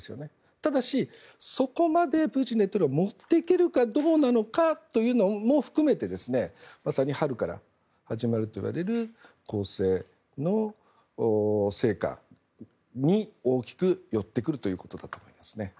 ただし、そこまでプーチンが持っていけるかどうなのかというの含めてまさに春から始まるといわれる攻勢の成果に大きくよってくるということだと思います。